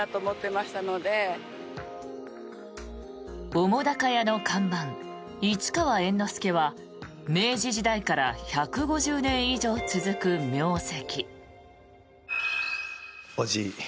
澤瀉屋の看板、市川猿之助は明治時代から１５０年以上続く名跡。